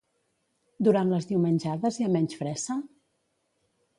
Durant les diumenjades hi ha menys fressa?